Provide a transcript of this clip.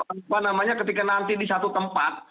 apa namanya ketika nanti di satu tempat